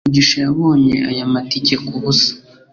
mugisha yabonye aya matike kubusa